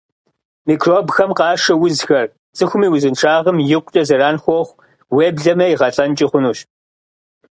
Микробхэм къашэ узхэр цӀыхум и узыншагъэм икъукӀэ зэран хуохъу, уеблэмэ игъэлӀэнкӀи хъунущ.